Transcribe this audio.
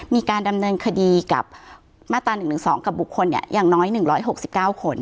มีการดำเนินคดีกับมาตรา๑๑๒กับบุคคลอย่างน้อย๑๖๙คน